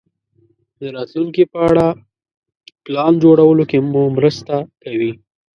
د راتلونکې په اړه پلان جوړولو کې مو مرسته کوي.